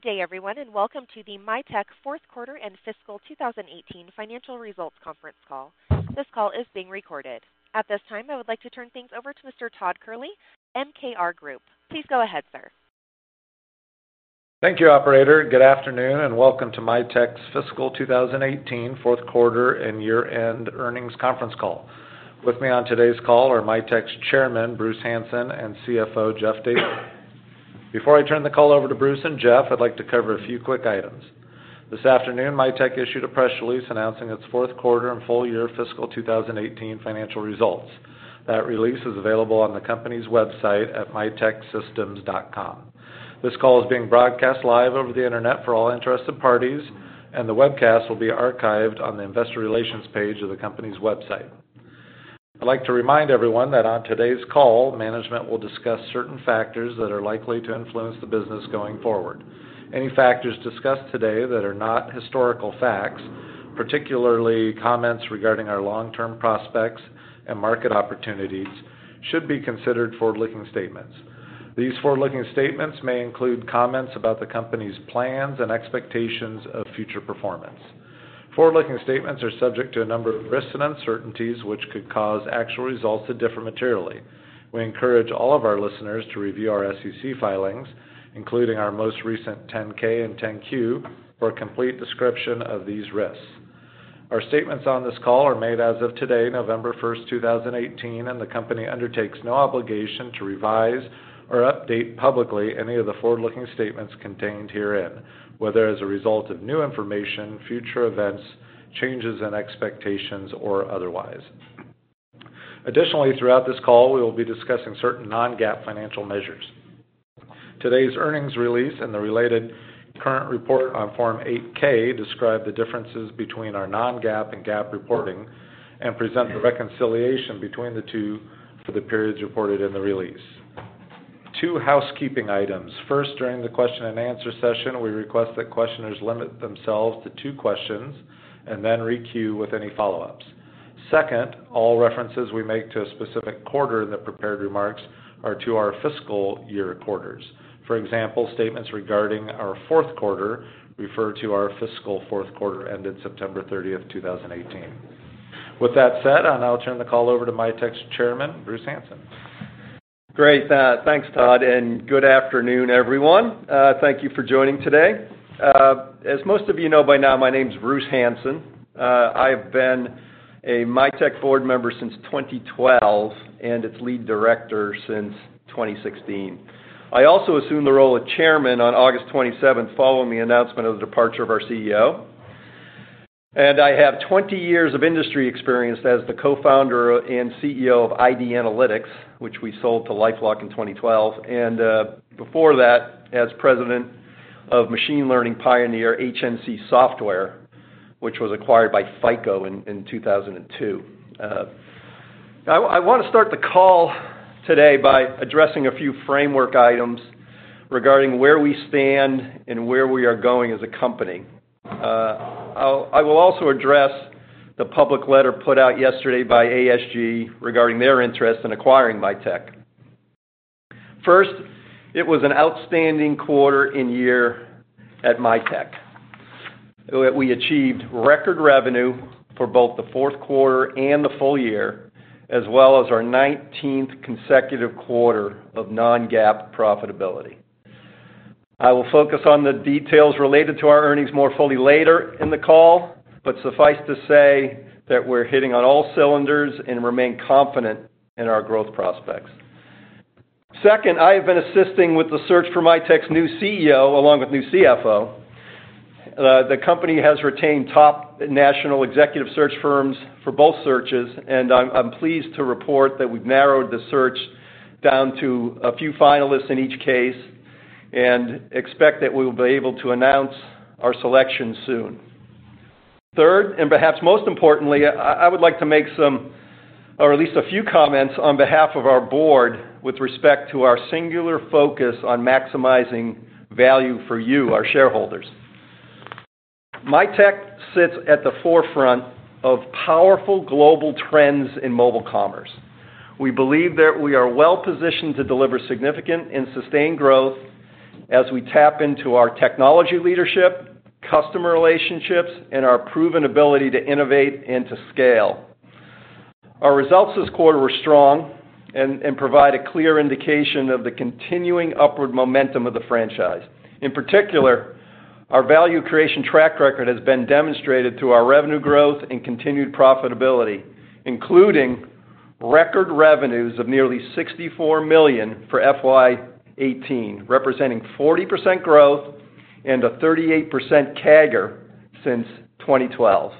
Good day, everyone, and welcome to the Mitek fourth quarter and fiscal 2018 financial results conference call. This call is being recorded. At this time, I would like to turn things over to Mr. Todd Kehrli, MKR Group. Please go ahead, sir. Thank you, operator. Good afternoon, and welcome to Mitek's fiscal 2018 fourth quarter and year-end earnings conference call. With me on today's call are Mitek's chairman, Bruce Hansen, and CFO, Jeff Davison. Before I turn the call over to Bruce and Jeff, I'd like to cover a few quick items. This afternoon, Mitek issued a press release announcing its fourth quarter and full year fiscal 2018 financial results. That release is available on the company's website at miteksystems.com. This call is being broadcast live over the internet for all interested parties. The webcast will be archived on the investor relations page of the company's website. I'd like to remind everyone that on today's call, management will discuss certain factors that are likely to influence the business going forward. Any factors discussed today that are not historical facts, particularly comments regarding our long-term prospects and market opportunities, should be considered forward-looking statements. These forward-looking statements may include comments about the company's plans and expectations of future performance. Forward-looking statements are subject to a number of risks and uncertainties, which could cause actual results to differ materially. We encourage all of our listeners to review our SEC filings, including our most recent 10-K and 10-Q, for a complete description of these risks. Our statements on this call are made as of today, November 1, 2018. The company undertakes no obligation to revise or update publicly any of the forward-looking statements contained herein, whether as a result of new information, future events, changes in expectations, or otherwise. Additionally, throughout this call, we will be discussing certain non-GAAP financial measures. Today's earnings release and the related current report on Form 8-K describe the differences between our non-GAAP and GAAP reporting and present the reconciliation between the two for the periods reported in the release. Two housekeeping items. First, during the question and answer session, we request that questioners limit themselves to two questions and then re-queue with any follow-ups. Second, all references we make to a specific quarter in the prepared remarks are to our fiscal year quarters. For example, statements regarding our fourth quarter refer to our fiscal fourth quarter ended September 30, 2018. With that said, I'll now turn the call over to Mitek's chairman, Bruce Hansen. Thanks, Todd, and good afternoon, everyone. Thank you for joining today. As most of you know by now, my name's Bruce Hansen. I have been a Mitek board member since 2012 and its lead director since 2016. I also assumed the role of chairman on August 27th following the announcement of the departure of our CEO. I have 20 years of industry experience as the co-founder and CEO of ID Analytics, which we sold to LifeLock in 2012, and before that, as president of machine learning pioneer HNC Software, which was acquired by FICO in 2002. I want to start the call today by addressing a few framework items regarding where we stand and where we are going as a company. I will also address the public letter put out yesterday by ASG regarding their interest in acquiring Mitek. First, it was an outstanding quarter and year at Mitek. We achieved record revenue for both the fourth quarter and the full year, as well as our 19th consecutive quarter of non-GAAP profitability. I will focus on the details related to our earnings more fully later in the call, but suffice to say that we're hitting on all cylinders and remain confident in our growth prospects. Second, I have been assisting with the search for Mitek's new CEO along with new CFO. The company has retained top national executive search firms for both searches. I'm pleased to report that we've narrowed the search down to a few finalists in each case and expect that we will be able to announce our selection soon. Third, perhaps most importantly, I would like to make some, or at least a few comments on behalf of our board with respect to our singular focus on maximizing value for you, our shareholders. Mitek sits at the forefront of powerful global trends in mobile commerce. We believe that we are well-positioned to deliver significant and sustained growth as we tap into our technology leadership, customer relationships, and our proven ability to innovate and to scale. Our results this quarter were strong and provide a clear indication of the continuing upward momentum of the franchise. In particular, our value creation track record has been demonstrated through our revenue growth and continued profitability, including record revenues of nearly $64 million for FY 2018, representing 40% growth and a 38% CAGR since 2012.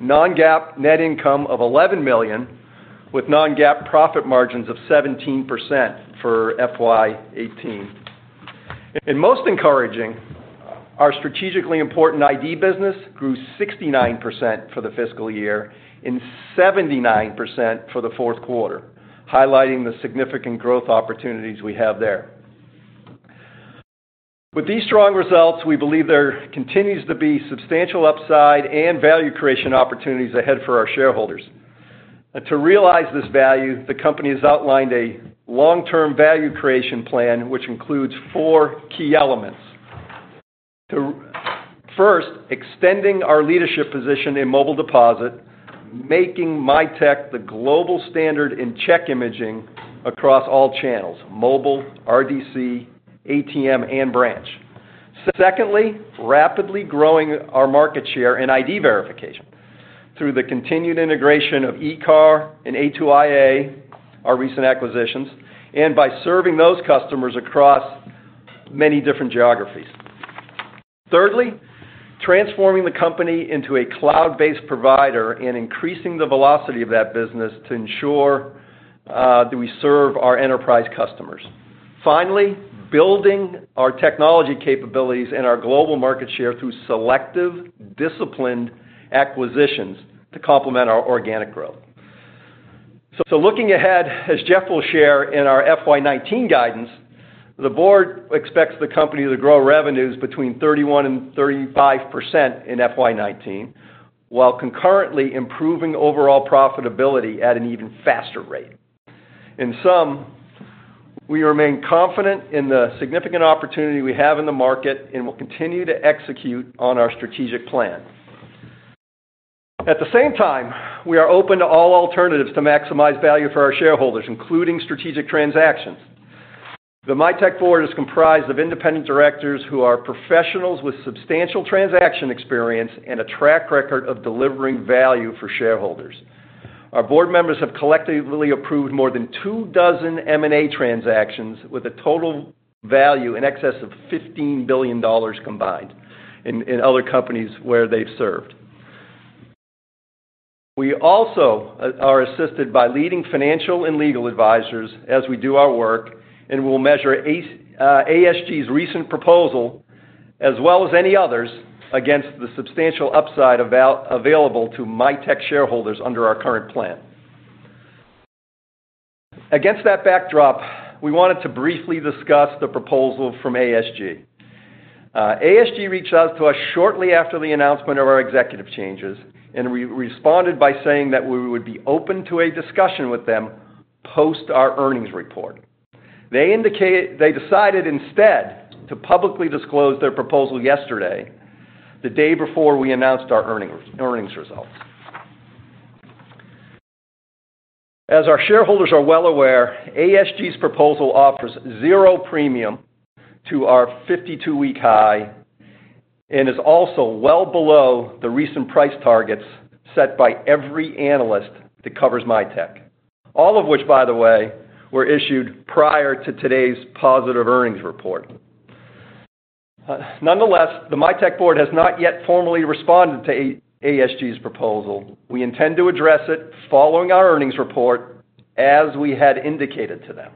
Non-GAAP net income of $11 million, with non-GAAP profit margins of 17% for FY 2018. Most encouraging, our strategically important ID business grew 69% for the fiscal year and 79% for the fourth quarter, highlighting the significant growth opportunities we have there. With these strong results, we believe there continues to be substantial upside and value creation opportunities ahead for our shareholders. To realize this value, the company has outlined a long-term value creation plan, which includes four key elements. First, extending our leadership position in Mobile Deposit, making Mitek the global standard in check imaging across all channels: mobile, RDC, ATM, and branch. Secondly, rapidly growing our market share and ID verification through the continued integration of ICAR and A2iA, our recent acquisitions, and by serving those customers across many different geographies. Thirdly, transforming the company into a cloud-based provider and increasing the velocity of that business to ensure that we serve our enterprise customers. Building our technology capabilities and our global market share through selective, disciplined acquisitions to complement our organic growth. Looking ahead, as Jeff will share in our FY 2019 guidance, the board expects the company to grow revenues between 31%-35% in FY 2019, while concurrently improving overall profitability at an even faster rate. In sum, we remain confident in the significant opportunity we have in the market and will continue to execute on our strategic plan. At the same time, we are open to all alternatives to maximize value for our shareholders, including strategic transactions. The Mitek board is comprised of independent directors who are professionals with substantial transaction experience and a track record of delivering value for shareholders. Our board members have collectively approved more than 2 dozen M&A transactions with a total value in excess of $15 billion combined in other companies where they've served. We also are assisted by leading financial and legal advisors as we do our work. We'll measure ASG's recent proposal, as well as any others, against the substantial upside available to Mitek shareholders under our current plan. Against that backdrop, we wanted to briefly discuss the proposal from ASG. ASG reached out to us shortly after the announcement of our executive changes. We responded by saying that we would be open to a discussion with them post our earnings report. They decided instead to publicly disclose their proposal yesterday, the day before we announced our earnings results. As our shareholders are well aware, ASG's proposal offers zero premium to our 52-week high and is also well below the recent price targets set by every analyst that covers Mitek, all of which, by the way, were issued prior to today's positive earnings report. Nonetheless, the Mitek board has not yet formally responded to ASG's proposal. We intend to address it following our earnings report, as we had indicated to them.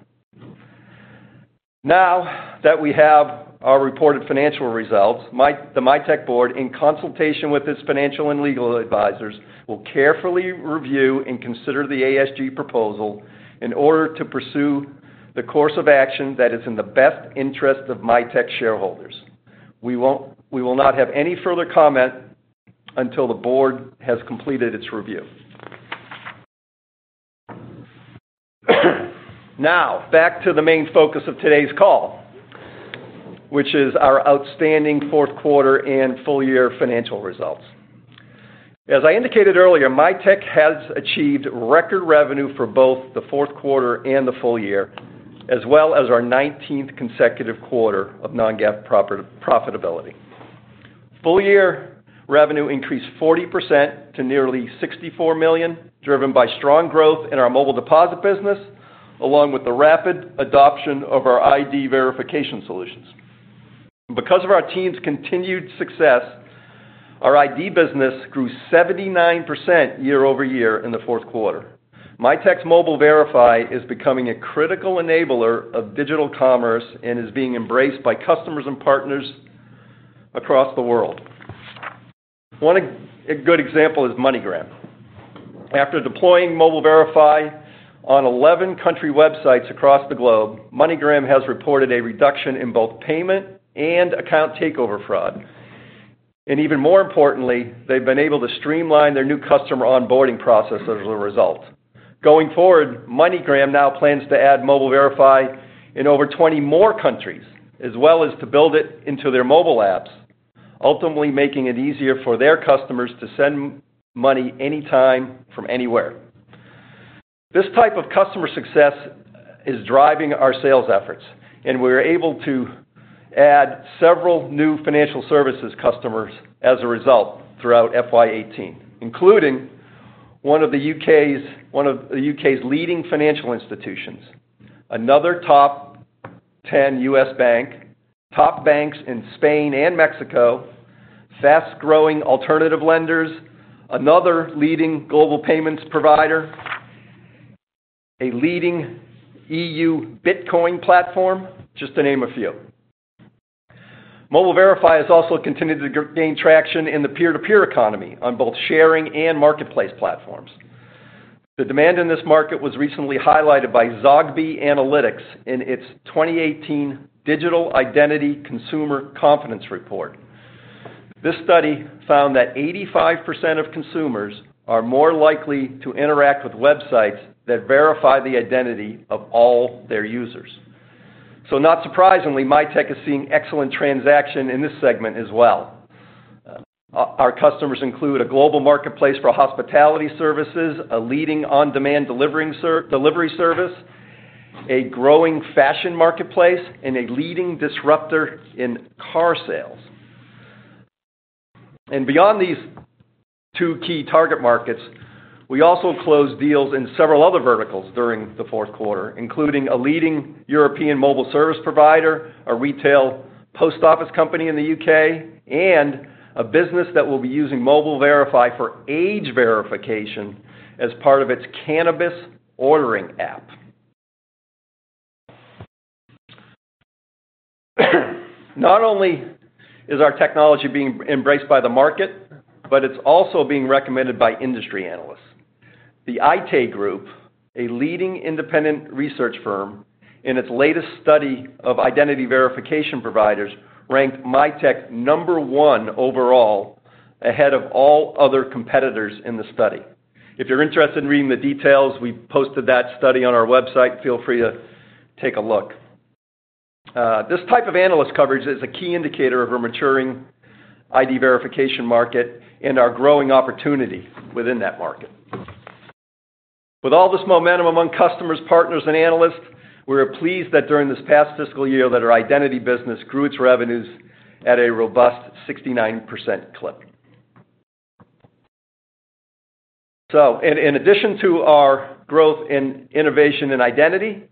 Now that we have our reported financial results, the Mitek board, in consultation with its financial and legal advisors, will carefully review and consider the ASG proposal in order to pursue the course of action that is in the best interest of Mitek shareholders. We will not have any further comment until the board has completed its review. Now, back to the main focus of today's call, which is our outstanding fourth quarter and full-year financial results. As I indicated earlier, Mitek has achieved record revenue for both the fourth quarter and the full year, as well as our 19th consecutive quarter of non-GAAP profitability. Full-year revenue increased 40% to nearly $64 million, driven by strong growth in our Mobile Deposit business, along with the rapid adoption of our ID verification solutions. Because of our team's continued success, our ID business grew 79% year-over-year in the fourth quarter. Mitek's Mobile Verify is becoming a critical enabler of digital commerce and is being embraced by customers and partners across the world. One good example is MoneyGram. After deploying Mobile Verify on 11 country websites across the globe, MoneyGram has reported a reduction in both payment and account takeover fraud. Even more importantly, they've been able to streamline their new customer onboarding process as a result. Going forward, MoneyGram now plans to add Mobile Verify in over 20 more countries, as well as to build it into their mobile apps, ultimately making it easier for their customers to send money anytime from anywhere. This type of customer success is driving our sales efforts. We were able to add several new financial services customers as a result throughout FY 2018, including one of the U.K.'s leading financial institutions, another top 10 U.S. bank, top banks in Spain and Mexico, fast-growing alternative lenders, another leading global payments provider, a leading EU Bitcoin platform, just to name a few. Mobile Verify has also continued to gain traction in the peer-to-peer economy on both sharing and marketplace platforms. The demand in this market was recently highlighted by Zogby Analytics in its 2018 Digital Identity Consumer Confidence Report. This study found that 85% of consumers are more likely to interact with websites that verify the identity of all their users. Not surprisingly, Mitek is seeing excellent traction in this segment as well. Our customers include a global marketplace for hospitality services, a leading on-demand delivery service, a growing fashion marketplace, and a leading disruptor in car sales. Beyond these two key target markets, we also closed deals in several other verticals during the fourth quarter, including a leading European mobile service provider, a retail post office company in the U.K., and a business that will be using Mobile Verify for age verification as part of its cannabis ordering app. Not only is our technology being embraced by the market, but it's also being recommended by industry analysts. The Aite Group, a leading independent research firm, in its latest study of identity verification providers, ranked Mitek number one overall, ahead of all other competitors in the study. If you're interested in reading the details, we posted that study on our website. Feel free to take a look. This type of analyst coverage is a key indicator of a maturing ID verification market and our growing opportunity within that market. With all this momentum among customers, partners, and analysts, we are pleased that during this past fiscal year that our identity business grew its revenues at a robust 69% clip. In addition to our growth in innovation and identity,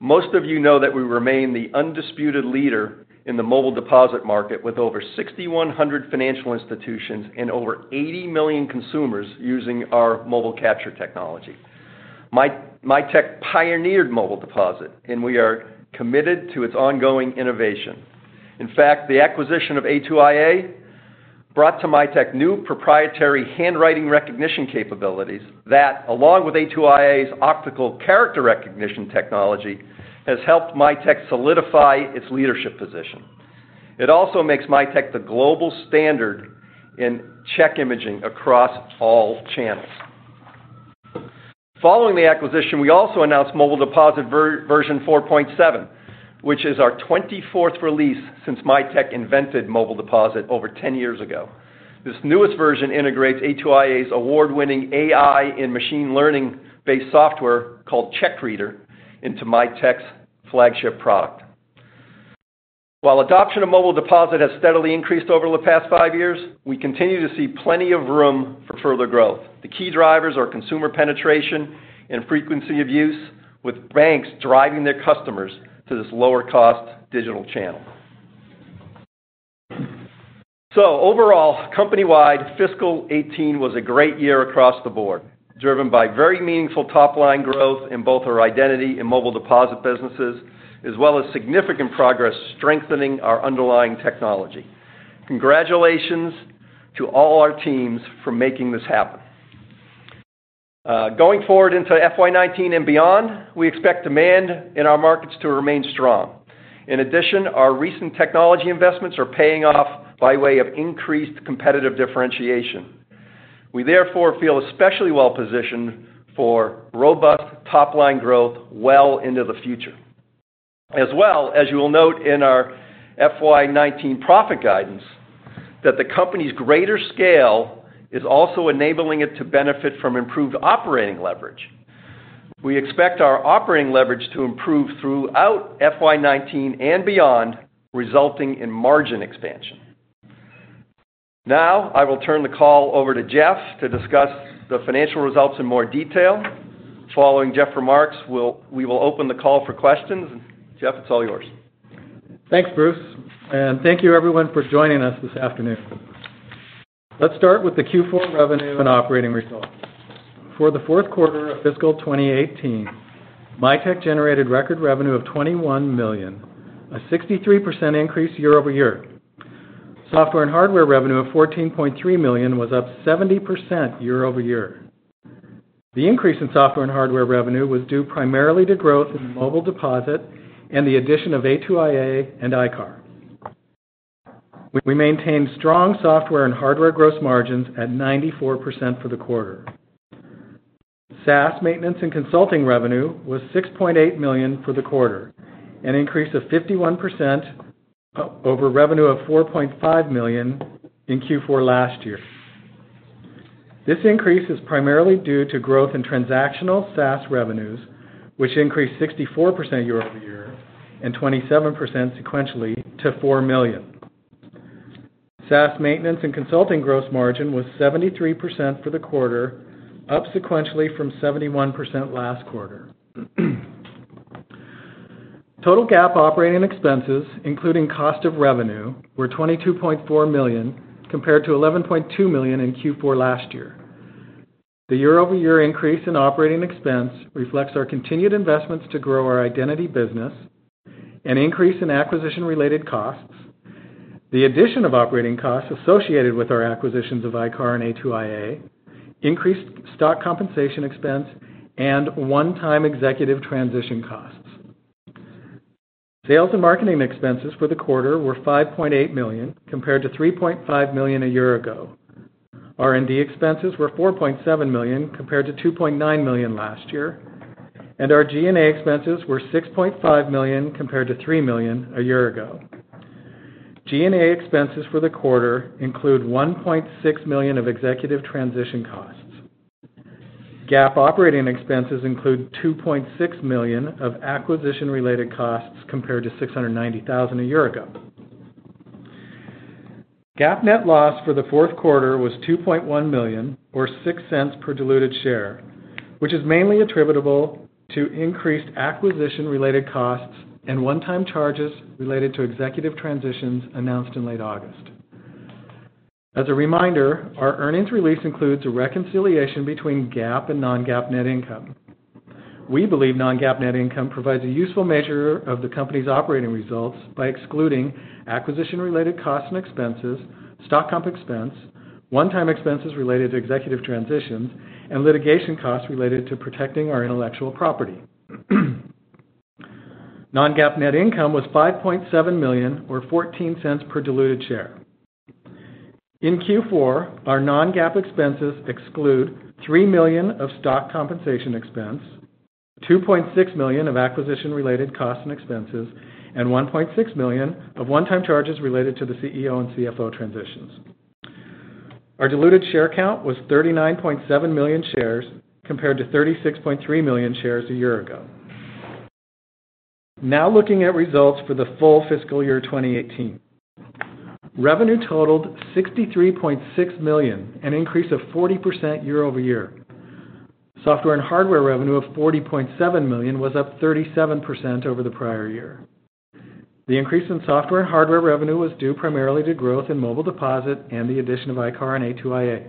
most of you know that we remain the undisputed leader in the Mobile Deposit market, with over 6,100 financial institutions and over 80 million consumers using our mobile capture technology. Mitek pioneered Mobile Deposit, and we are committed to its ongoing innovation. In fact, the acquisition of A2iA brought to Mitek new proprietary handwriting recognition capabilities that, along with A2iA's optical character recognition technology, has helped Mitek solidify its leadership position. It also makes Mitek the global standard in check imaging across all channels. Following the acquisition, we also announced Mobile Deposit Version 4.7, which is our 24th release since Mitek invented Mobile Deposit over 10 years ago. This newest version integrates A2iA's award-winning AI and machine learning-based software called CheckReader into Mitek's flagship product. While adoption of Mobile Deposit has steadily increased over the past five years, we continue to see plenty of room for further growth. The key drivers are consumer penetration and frequency of use, with banks driving their customers to this lower-cost digital channel. Overall, company-wide, fiscal 2018 was a great year across the board, driven by very meaningful top-line growth in both our identity and Mobile Deposit businesses, as well as significant progress strengthening our underlying technology. Congratulations to all our teams for making this happen. Going forward into FY 2019 and beyond, we expect demand in our markets to remain strong. In addition, our recent technology investments are paying off by way of increased competitive differentiation. We therefore feel especially well-positioned for robust top-line growth well into the future. As well, as you will note in our FY 2019 profit guidance, that the company's greater scale is also enabling it to benefit from improved operating leverage. We expect our operating leverage to improve throughout FY 2019 and beyond, resulting in margin expansion. Now, I will turn the call over to Jeff to discuss the financial results in more detail. Following Jeff's remarks, we will open the call for questions. Jeff, it's all yours. Thanks, Bruce, thank you everyone for joining us this afternoon. Let's start with the Q4 revenue and operating results. For the fourth quarter of fiscal 2018, Mitek generated record revenue of $21 million, a 63% increase year-over-year. Software and hardware revenue of $14.3 million was up 70% year-over-year. The increase in software and hardware revenue was due primarily to growth in Mobile Deposit and the addition of A2iA and ICAR. We maintained strong software and hardware gross margins at 94% for the quarter. SaaS maintenance and consulting revenue was $6.8 million for the quarter, an increase of 51% over revenue of $4.5 million in Q4 last year. This increase is primarily due to growth in transactional SaaS revenues, which increased 64% year-over-year and 27% sequentially to $4 million. SaaS maintenance and consulting gross margin was 73% for the quarter, up sequentially from 71% last quarter. Total GAAP operating expenses, including cost of revenue, were $22.4 million, compared to $11.2 million in Q4 last year. The year-over-year increase in operating expense reflects our continued investments to grow our identity business, an increase in acquisition-related costs, the addition of operating costs associated with our acquisitions of ICAR and A2iA, increased stock compensation expense, and one-time executive transition costs. Sales and marketing expenses for the quarter were $5.8 million, compared to $3.5 million a year ago. R&D expenses were $4.7 million compared to $2.9 million last year. Our G&A expenses were $6.5 million compared to $3 million a year ago. G&A expenses for the quarter include $1.6 million of executive transition costs. GAAP operating expenses include $2.6 million of acquisition-related costs compared to $690,000 a year ago. GAAP net loss for the fourth quarter was $2.1 million or $0.06 per diluted share, which is mainly attributable to increased acquisition-related costs and one-time charges related to executive transitions announced in late August. As a reminder, our earnings release includes a reconciliation between GAAP and non-GAAP net income. We believe non-GAAP net income provides a useful measure of the company's operating results by excluding acquisition-related costs and expenses, stock comp expense, one-time expenses related to executive transitions, and litigation costs related to protecting our intellectual property. Non-GAAP net income was $5.7 million or $0.14 per diluted share. In Q4, our non-GAAP expenses exclude $3 million of stock compensation expense, $2.6 million of acquisition-related costs and expenses, and $1.6 million of one-time charges related to the CEO and CFO transitions. Our diluted share count was 39.7 million shares compared to 36.3 million shares a year ago. Now looking at results for the full fiscal year 2018. Revenue totaled $63.6 million, an increase of 40% year-over-year. Software and hardware revenue of $40.7 million was up 37% over the prior year. The increase in software and hardware revenue was due primarily to growth in Mobile Deposit and the addition of ICAR and A2iA.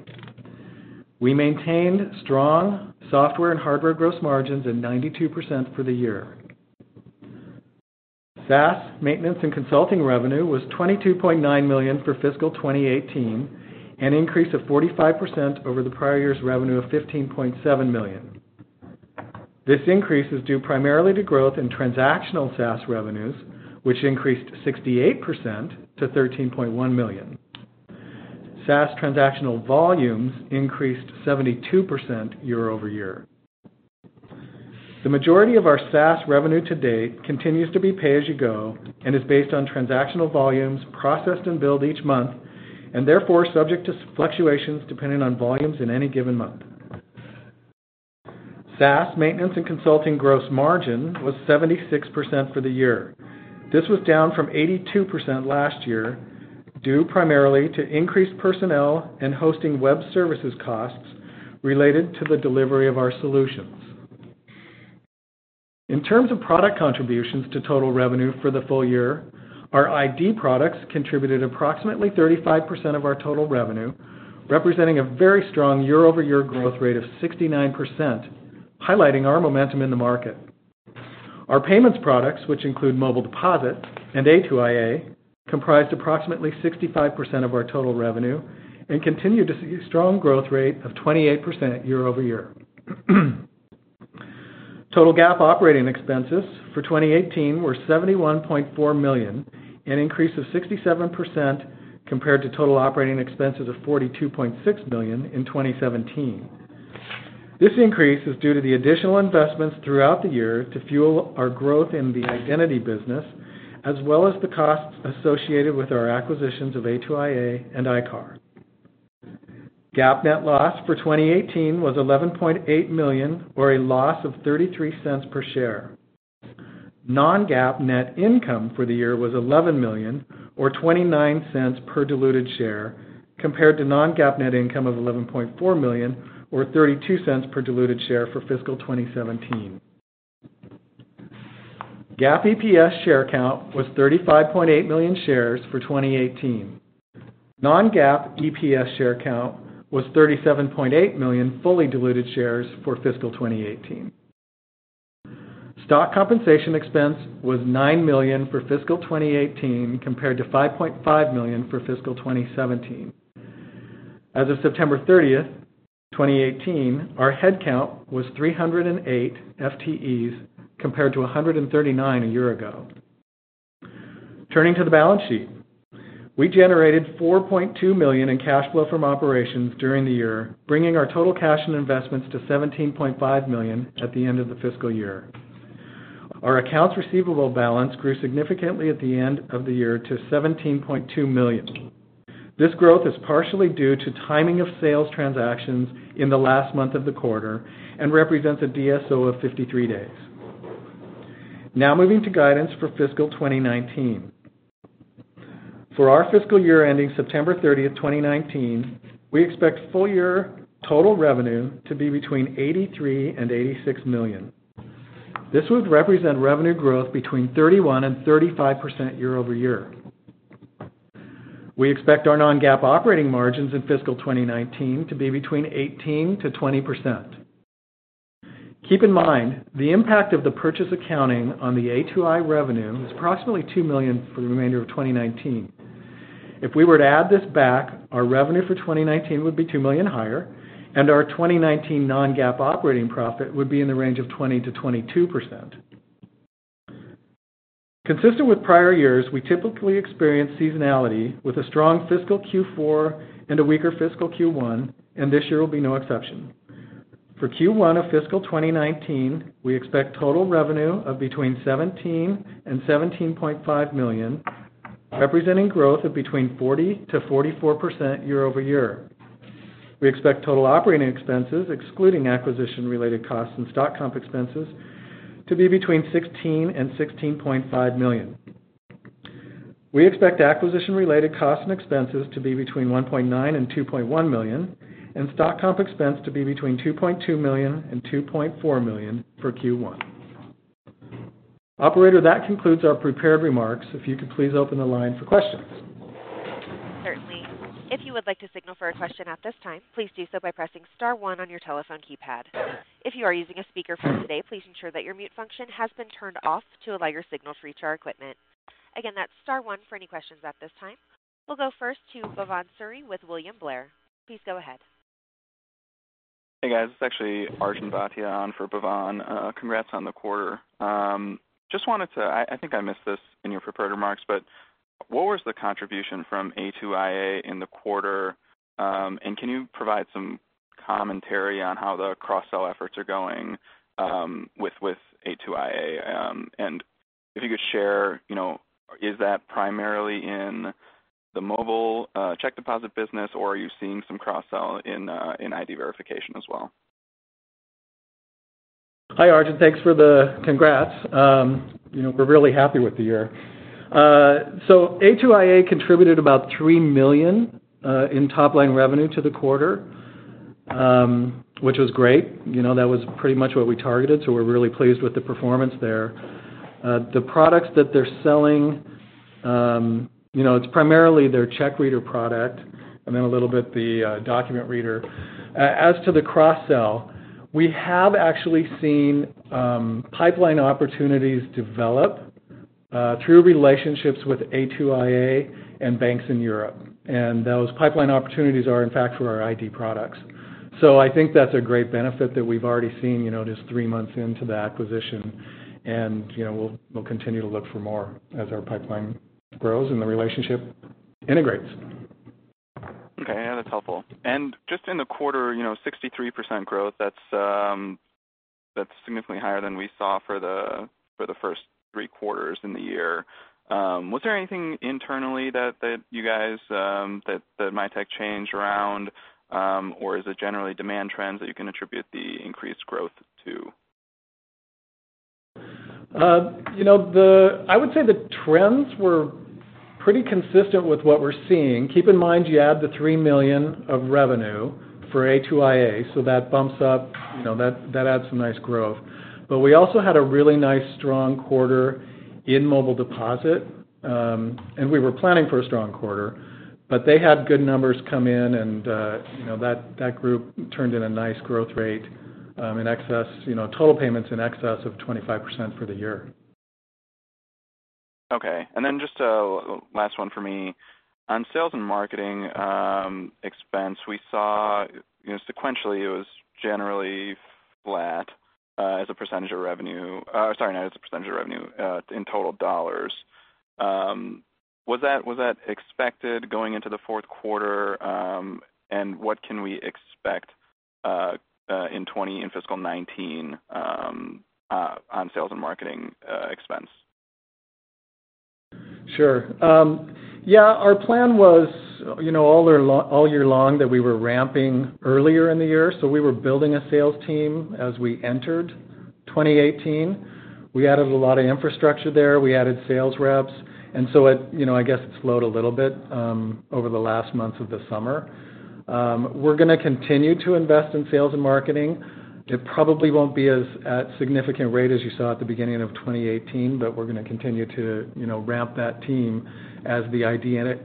We maintained strong software and hardware gross margins at 92% for the year. SaaS maintenance and consulting revenue was $22.9 million for fiscal 2018, an increase of 45% over the prior year's revenue of $15.7 million. This increase is due primarily to growth in transactional SaaS revenues, which increased 68% to $13.1 million. SaaS transactional volumes increased 72% year-over-year. The majority of our SaaS revenue to date continues to be pay-as-you-go and is based on transactional volumes processed and billed each month, and therefore subject to fluctuations depending on volumes in any given month. SaaS maintenance and consulting gross margin was 76% for the year. This was down from 82% last year, due primarily to increased personnel and hosting web services costs related to the delivery of our solutions. In terms of product contributions to total revenue for the full year, our ID products contributed approximately 35% of our total revenue, representing a very strong year-over-year growth rate of 69%, highlighting our momentum in the market. Our payments products, which include Mobile Deposit and A2iA, comprised approximately 65% of our total revenue and continued to see a strong growth rate of 28% year-over-year. Total GAAP operating expenses for 2018 were $71.4 million, an increase of 67% compared to total operating expenses of $42.6 million in 2017. This increase is due to the additional investments throughout the year to fuel our growth in the identity business, as well as the costs associated with our acquisitions of A2iA and ICAR. GAAP net loss for 2018 was $11.8 million or a loss of $0.33 per share. Non-GAAP net income for the year was $11 million or $0.29 per diluted share compared to non-GAAP net income of $11.4 million or $0.32 per diluted share for fiscal 2017. GAAP EPS share count was 35.8 million shares for 2018. Non-GAAP EPS share count was 37.8 million fully diluted shares for fiscal 2018. Stock compensation expense was $9 million for fiscal 2018 compared to $5.5 million for fiscal 2017. As of September 30th, 2018, our head count was 308 FTEs compared to 139 a year ago. Turning to the balance sheet. We generated $4.2 million in cash flow from operations during the year, bringing our total cash and investments to $17.5 million at the end of the fiscal year. Our accounts receivable balance grew significantly at the end of the year to $17.2 million. This growth is partially due to timing of sales transactions in the last month of the quarter and represents a DSO of 53 days. Now moving to guidance for fiscal 2019. For our fiscal year ending September 30th, 2019, we expect full-year total revenue to be between $83 million and $86 million. This would represent revenue growth between 31% and 35% year-over-year. We expect our non-GAAP operating margins in fiscal 2019 to be between 18%-20%. Keep in mind, the impact of the purchase accounting on the A2iA revenue is approximately $2 million for the remainder of 2019. If we were to add this back, our revenue for 2019 would be $2 million higher, and our 2019 non-GAAP operating profit would be in the range of 20%-22%. Consistent with prior years, we typically experience seasonality with a strong fiscal Q4 and a weaker fiscal Q1, and this year will be no exception. For Q1 of fiscal 2019, we expect total revenue of between $17 million and $17.5 million, representing growth of between 40%-44% year-over-year. We expect total operating expenses, excluding acquisition-related costs and stock comp expenses, to be between $16 million and $16.5 million. We expect acquisition-related costs and expenses to be between $1.9 million and $2.1 million, and stock comp expense to be between $2.2 million and $2.4 million for Q1. Operator, that concludes our prepared remarks. If you could please open the line for questions. Certainly. If you would like to signal for a question at this time, please do so by pressing star one on your telephone keypad. If you are using a speakerphone today, please ensure that your mute function has been turned off to allow your signal to reach our equipment. Again, that's star one for any questions at this time. We'll go first to Bhavan Suri with William Blair. Please go ahead. Hey, guys. It's actually Arjun Bhatia on for Bhavan. Congrats on the quarter. I think I missed this in your prepared remarks, but what was the contribution from A2iA in the quarter? Can you provide some commentary on how the cross-sell efforts are going with A2iA? If you could share, is that primarily in the Mobile Deposit business or are you seeing some cross-sell in ID verification as well? Hi, Arjun. Thanks for the congrats. We're really happy with the year. A2iA contributed about $3 million in top-line revenue to the quarter, which was great. That was pretty much what we targeted, so we're really pleased with the performance there. The products that they're selling, it's primarily their CheckReader product and then a little bit the document reader. As to the cross-sell, we have actually seen pipeline opportunities develop through relationships with A2iA and banks in Europe. Those pipeline opportunities are, in fact, for our ID products. I think that's a great benefit that we've already seen just three months into the acquisition, and we'll continue to look for more as our pipeline grows and the relationship integrates. Okay. That's helpful. Just in the quarter, 63% growth, that's significantly higher than we saw for the first three quarters in the year. Was there anything internally that Mitek changed around, or is it generally demand trends that you can attribute the increased growth to? I would say the trends were pretty consistent with what we're seeing. Keep in mind, you add the $3 million of revenue for A2iA, that bumps up. That adds some nice growth. We also had a really nice strong quarter in Mobile Deposit. We were planning for a strong quarter, they had good numbers come in and that group turned in a nice growth rate, total payments in excess of 25% for the year. Okay. Just a last one for me. On sales and marketing expense, we saw sequentially it was generally flat as a percentage of revenue. Sorry, not as a percentage of revenue, in total dollars. Was that expected going into the fourth quarter? What can we expect in fiscal 2019 on sales and marketing expense? Sure. Yeah, our plan was all year long that we were ramping earlier in the year. We were building a sales team as we entered 2018. We added a lot of infrastructure there. We added sales reps. I guess it slowed a little bit over the last months of the summer. We are going to continue to invest in sales and marketing. It probably won't be at significant rate as you saw at the beginning of 2018, but we are going to continue to ramp that team as the ID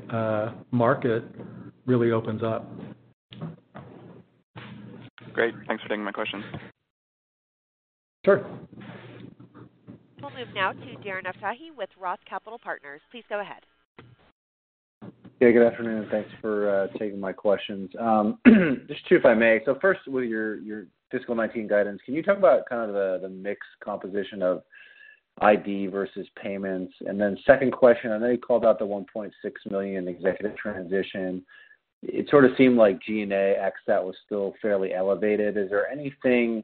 market really opens up. Great. Thanks for taking my questions. Sure. We will move now to Darren Aftahi with Roth Capital Partners. Please go ahead. Yeah, good afternoon. Thanks for taking my questions. Just two if I may. First with your fiscal 2019 guidance, can you talk about the mix composition of ID versus payments? Second question, I know you called out the $1.6 million executive transition. It sort of seemed like G&A, ex that was still fairly elevated. Is there anything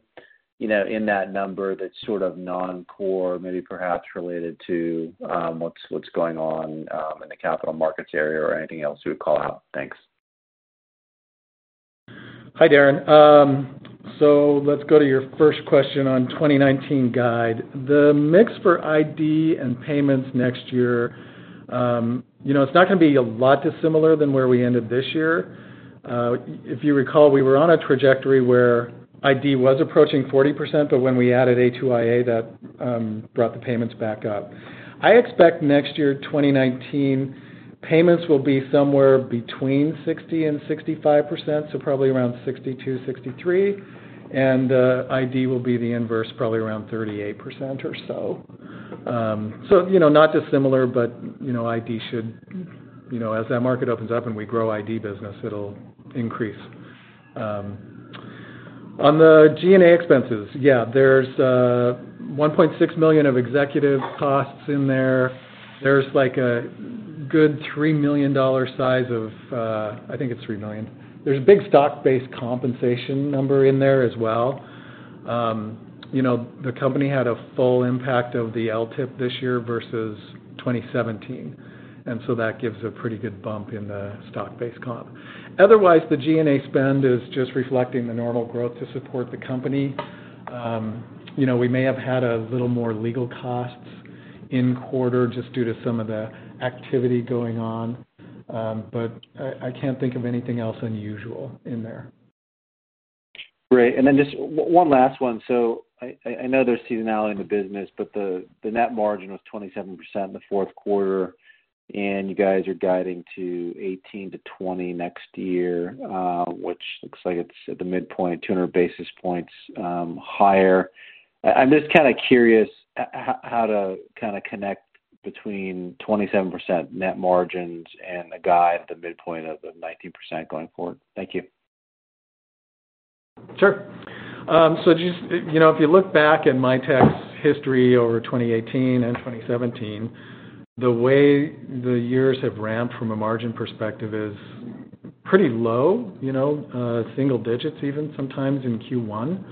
in that number that is sort of non-core, maybe perhaps related to what is going on in the capital markets area or anything else you would call out? Thanks. Hi, Darren. Let's go to your first question on 2019 guide. The mix for ID and payments next year, it's not going to be a lot dissimilar than where we ended this year. If you recall, we were on a trajectory where ID was approaching 40%, but when we added A2iA, that brought the payments back up. I expect next year, 2019, payments will be somewhere between 60%-65%, so probably around 62%, 63%, and ID will be the inverse, probably around 38% or so. Not dissimilar, but as that market opens up and we grow ID business, it'll increase. On the G&A expenses, there's $1.6 million of executive costs in there. There's a good $3 million. I think it's $3 million. There's a big stock-based compensation number in there as well. The company had a full impact of the LTIP this year versus 2017, that gives a pretty good bump in the stock-based comp. Otherwise, the G&A spend is just reflecting the normal growth to support the company. We may have had a little more legal costs in quarter just due to some of the activity going on. I can't think of anything else unusual in there. Great. Just one last one. I know there's seasonality in the business, but the net margin was 27% in the fourth quarter, and you guys are guiding to 18%-20% next year, which looks like it's at the midpoint, 200 basis points higher. I'm just curious how to connect between 27% net margins and the guide at the midpoint of the 19% going forward. Thank you. Sure. Just, if you look back at Mitek's history over 2018 and 2017, the way the years have ramped from a margin perspective is pretty low, single digits even sometimes in Q1.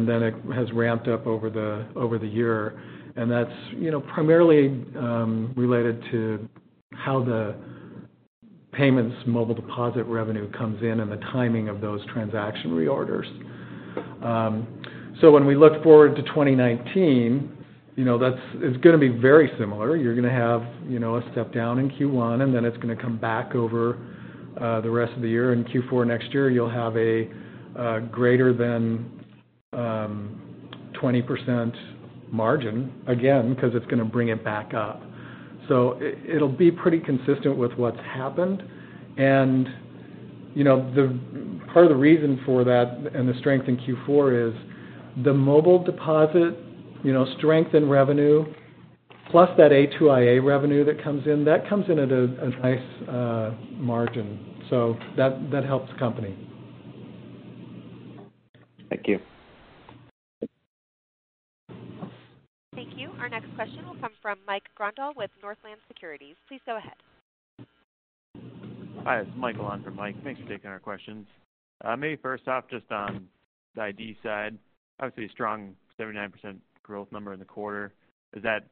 It has ramped up over the year. That's primarily related to how the payments Mobile Deposit revenue comes in and the timing of those transaction reorders. When we look forward to 2019, that's going to be very similar. You're going to have a step down in Q1, and then it's going to come back over the rest of the year. In Q4 next year, you'll have a greater than 20% margin again, because it's going to bring it back up. It'll be pretty consistent with what's happened. Part of the reason for that and the strength in Q4 is the Mobile Deposit strength in revenue plus that A2iA revenue that comes in, that comes in at a nice margin. That helps the company. Thank you. Thank you. Our next question will come from Mike Grondahl with Northland Securities. Please go ahead. Hi, it's Michael on for Mike. Thanks for taking our questions. Maybe first off, just on the ID side, obviously a strong 79% growth number in the quarter. Is that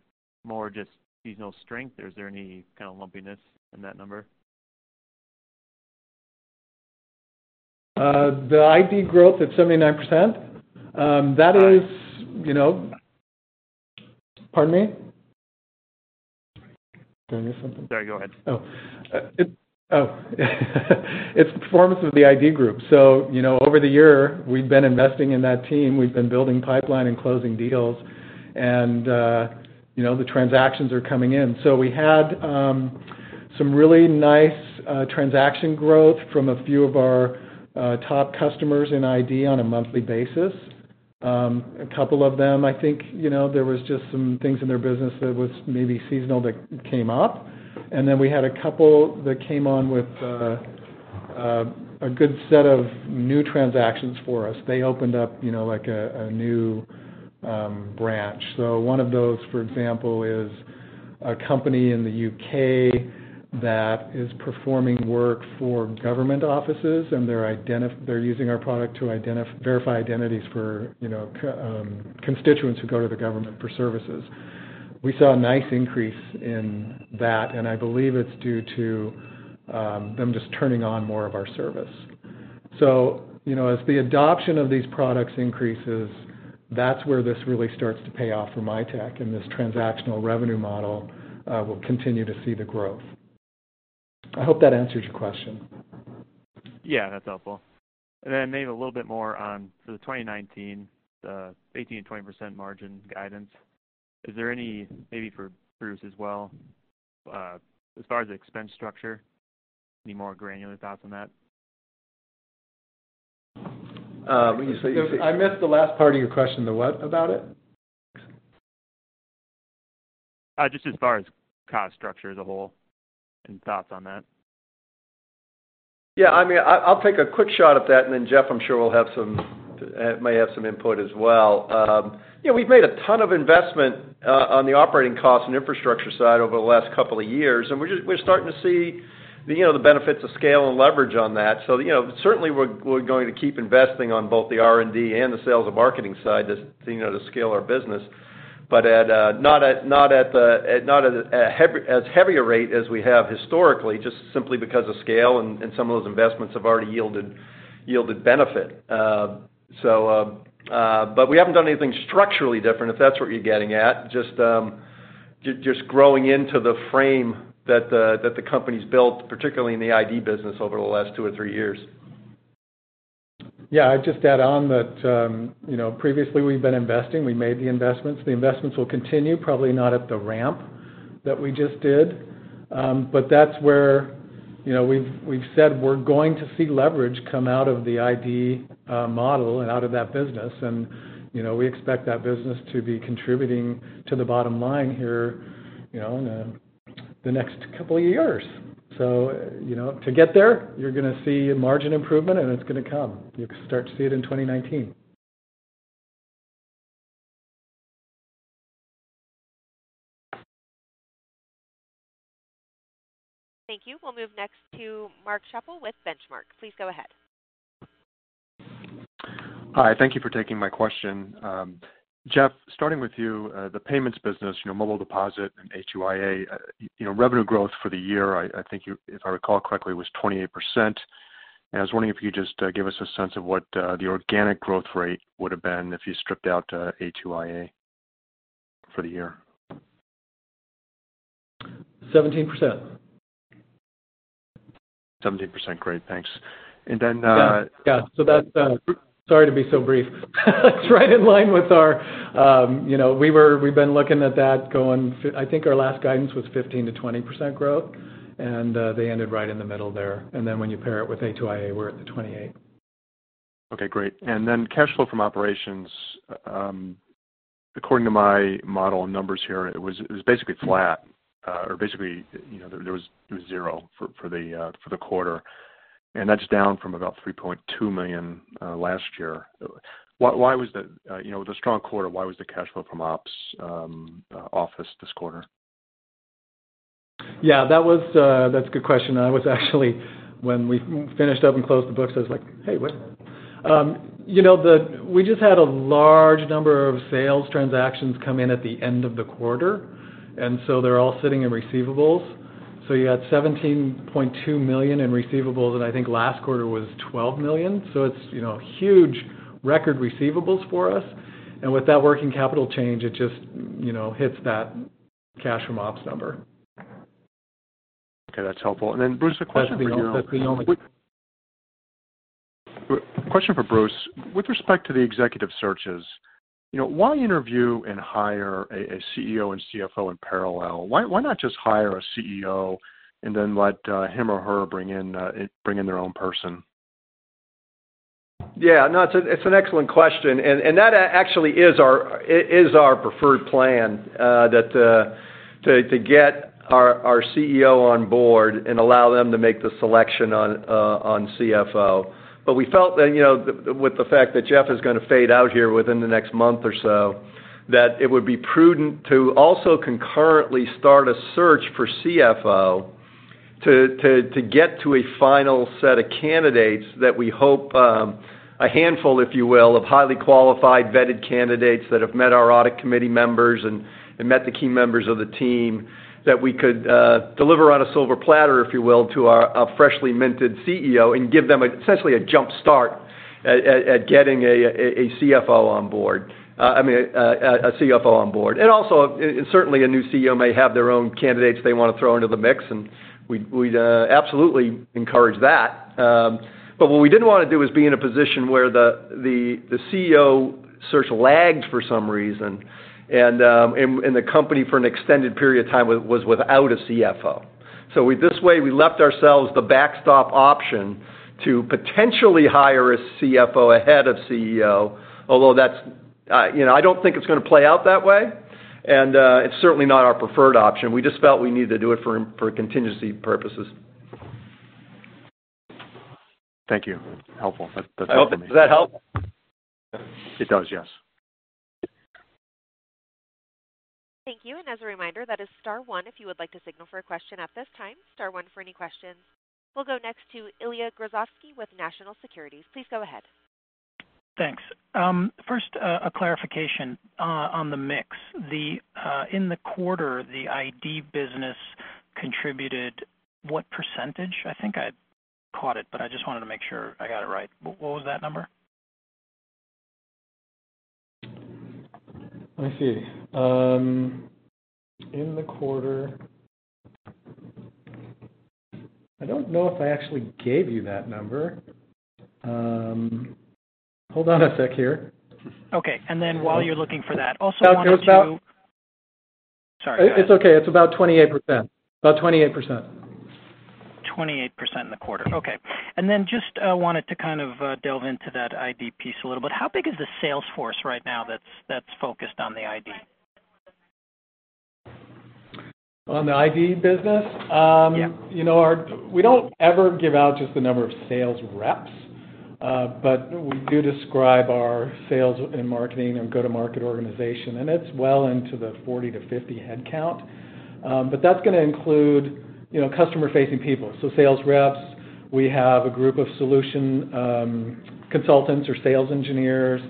more just seasonal strength or is there any kind of lumpiness in that number? The ID growth at 79%? Pardon me? Did I miss something? Sorry, go ahead. Oh. It's the performance of the ID group. Over the year, we've been investing in that team. We've been building pipeline and closing deals and the transactions are coming in. We had some really nice transaction growth from a few of our top customers in ID on a monthly basis. A couple of them, I think, there was just some things in their business that was maybe seasonal that came up. Then we had a couple that came on with a good set of new transactions for us. They opened up a new branch. One of those, for example, is a company in the U.K. that is performing work for government offices, and they're using our product to verify identities for constituents who go to the government for services. We saw a nice increase in that, and I believe it's due to them just turning on more of our service. As the adoption of these products increases, that's where this really starts to pay off for Mitek, and this transactional revenue model will continue to see the growth. I hope that answers your question. Yeah, that's helpful. Then maybe a little bit more on for the 2019, the 18%-20% margin guidance. Is there any, maybe for Bruce as well, as far as the expense structure, any more granular thoughts on that? What did you say? I missed the last part of your question. The what about it? Just as far as cost structure as a whole and thoughts on that. I'll take a quick shot at that and then Jeff I'm sure may have some input as well. We've made a ton of investment on the operating cost and infrastructure side over the last couple of years, and we're starting to see the benefits of scale and leverage on that. Certainly we're going to keep investing on both the R&D and the sales and marketing side to scale our business, but not at as heavy a rate as we have historically, just simply because of scale and some of those investments have already yielded benefit. We haven't done anything structurally different, if that's what you're getting at. Just growing into the frame that the company's built, particularly in the ID business over the last two or three years. I'd just add on that previously we've been investing. We made the investments. The investments will continue, probably not at the ramp that we just did. That's where we've said we're going to see leverage come out of the ID model and out of that business, and we expect that business to be contributing to the bottom line here in the next couple of years. To get there, you're going to see a margin improvement, and it's going to come. You'll start to see it in 2019. Thank you. We'll move next to Mark Schappel with Benchmark. Please go ahead. Hi. Thank you for taking my question. Jeff, starting with you, the payments business, Mobile Deposit and A2iA, revenue growth for the year, I think, if I recall correctly, was 28%. I was wondering if you could just give us a sense of what the organic growth rate would've been if you stripped out A2iA for the year. 17%. 17%. Great. Thanks. Yeah. Sorry to be so brief. I think our last guidance was 15%-20% growth, and they ended right in the middle there. When you pair it with A2iA, we're at the 28%. Okay, great. Cash flow from operations, according to my model numbers here, it was basically flat, or basically, it was 0 for the quarter. That's down from about $3.2 million last year. With a strong quarter, why was the cash flow from ops off this quarter? Yeah, that's a good question. I was actually, when we finished up and closed the books, I was like, "Hey, what?" We just had a large number of sales transactions come in at the end of the quarter, they're all sitting in receivables. You had $17.2 million in receivables, and I think last quarter was $12 million. It's huge record receivables for us. With that working capital change, it just hits that cash from ops number. Okay, that's helpful. Bruce, a question for you. That's the only. A question for Bruce. With respect to the executive searches, why interview and hire a CEO and CFO in parallel? Why not just hire a CEO and then let him or her bring in their own person? Yeah, no, it's an excellent question. That actually is our preferred plan, to get our CEO on board and allow them to make the selection on CFO. We felt that with the fact that Jeff is going to fade out here within the next month or so, that it would be prudent to also concurrently start a search for CFO to get to a final set of candidates that we hope, a handful, if you will, of highly qualified, vetted candidates that have met our audit committee members and met the key members of the team, that we could deliver on a silver platter, if you will, to our freshly minted CEO and give them essentially a jump start at getting a CFO on board. Also, certainly a new CEO may have their own candidates they want to throw into the mix, and we'd absolutely encourage that. What we didn't want to do was be in a position where the CEO search lagged for some reason, and the company for an extended period of time was without a CFO. With this way, we left ourselves the backstop option to potentially hire a CFO ahead of CEO, although I don't think it's going to play out that way, and it's certainly not our preferred option. We just felt we needed to do it for contingency purposes. Thank you. Helpful. That's helpful to me. Does that help? It does, yes. Thank you. As a reminder, that is star one if you would like to signal for a question at this time, star one for any questions. We'll go next to Ilya Grozovsky with National Securities. Please go ahead. Thanks. First, a clarification on the mix. In the quarter, the ID business contributed what percentage? I think I caught it, but I just wanted to make sure I got it right. What was that number? Let me see. In the quarter I don't know if I actually gave you that number. Hold on a sec here. Okay. While you're looking for that. It's about- Sorry, go ahead. It's okay. It's about 28%. 28% in the quarter. Okay. Just wanted to kind of delve into that ID piece a little bit. How big is the sales force right now that's focused on the ID? On the ID business? Yeah. We don't ever give out just the number of sales reps. We do describe our sales and marketing and go-to-market organization, and it's well into the 40-50 headcount. That's going to include customer-facing people, so sales reps, we have a group of solution consultants or sales engineers,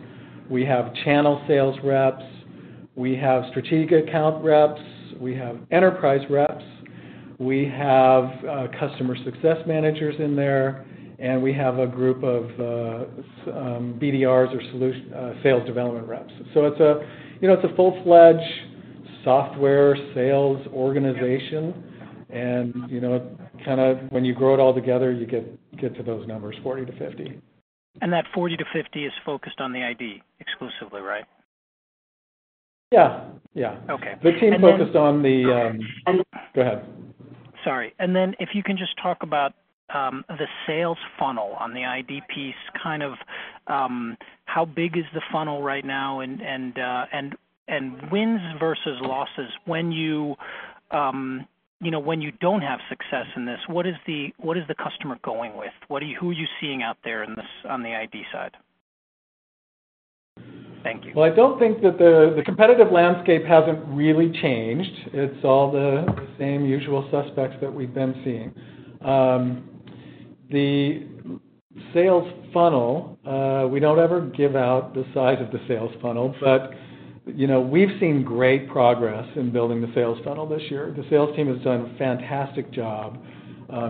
we have channel sales reps, we have strategic account reps, we have enterprise reps, we have customer success managers in there, and we have a group of BDRs or sales development reps. It's a full-fledged software sales organization, and when you grow it all together, you get to those numbers, 40-50. That 40-50 is focused on the ID exclusively, right? Yeah. Okay. The team focused on Go ahead. Sorry. Then if you can just talk about the sales funnel on the ID piece, how big is the funnel right now and wins versus losses. When you don't have success in this, what is the customer going with? Who are you seeing out there on the ID side? Thank you. Well, I don't think that the competitive landscape hasn't really changed. It's all the same usual suspects that we've been seeing. The sales funnel, we don't ever give out the size of the sales funnel, but we've seen great progress in building the sales funnel this year. The sales team has done a fantastic job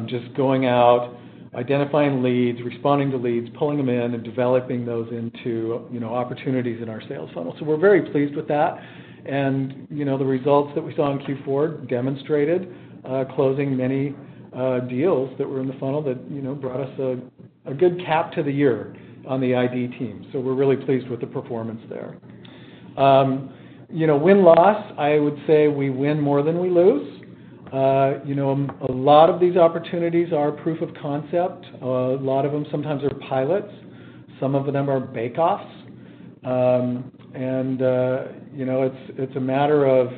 just going out, identifying leads, responding to leads, pulling them in, and developing those into opportunities in our sales funnel. We're very pleased with that. The results that we saw in Q4 demonstrated closing many deals that were in the funnel that brought us a good cap to the year on the ID team. We're really pleased with the performance there. Win-loss, I would say we win more than we lose. A lot of these opportunities are proof of concept. A lot of them sometimes are pilots. Some of them are bake-offs. It's a matter of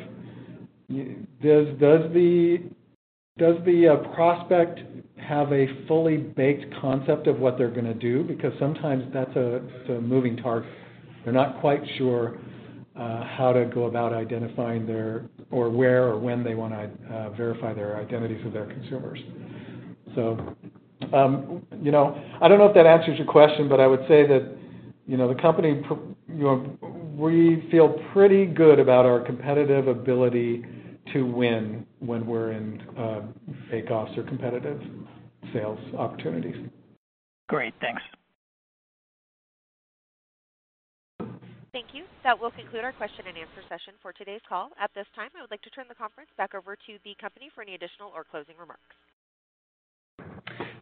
does the prospect have a fully baked concept of what they're going to do? Because sometimes that's a moving target. They're not quite sure how to go about identifying their, or where or when they want to verify their identities of their consumers. I don't know if that answers your question, but I would say that the company, we feel pretty good about our competitive ability to win when we're in bake-offs or competitive sales opportunities. Great. Thanks. Thank you. That will conclude our question and answer session for today's call. At this time, I would like to turn the conference back over to the company for any additional or closing remarks.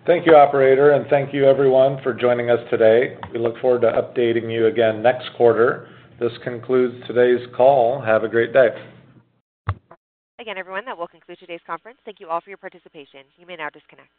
Thank you, operator. Thank you everyone for joining us today. We look forward to updating you again next quarter. This concludes today's call. Have a great day. Again, everyone, that will conclude today's conference. Thank you all for your participation. You may now disconnect.